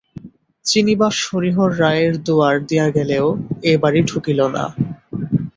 চিনিবাস হরিহর রায়ের দুয়ার দিয়া গেলেও এ বাড়ি ঢুকিল না।